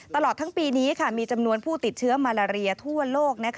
ตลอดทั้งปีนี้มีจำนวนผู้ติดเชื้อมาลาเรียทั่วโลก